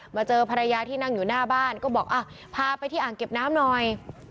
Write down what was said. เจอภรรยาที่นั่งอยู่หน้าบ้านก็บอกพาไปที่อ่างเก็บน้ำหน่อย